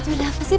sudah apa sih